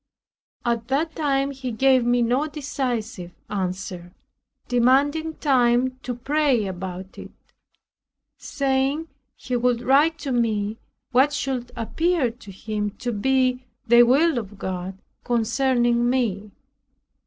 At that time he gave me no decisive answer, demanding time to pray about it; saying he would write to me what should appear to him to be the will of God concerning me.